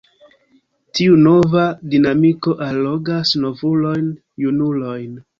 Tiu nova dinamiko allogas novulojn; junulojn.